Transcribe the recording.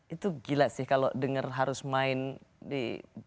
itu gila sih kalau denger harus main di